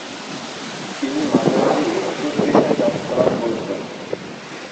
তিনি মাঝে মাঝে উত্তর দিশায় যাত্রা করতেন।